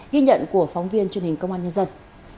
ghi nhận của phóng viên truyền hình công an nhân dân